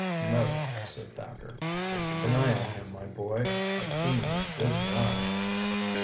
"No," said Thacker. "But keep an eye on him, my boy. A keen and busy eye."